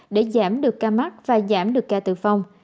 để giảm được ca mắc và giảm được ca tử vong